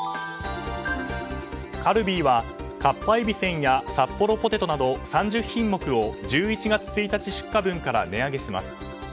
カルビーはかっぱえびせんやサッポロポテトなど３０品目を１１月１日出荷分から値上げします。